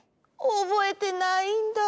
おぼえてないんだ。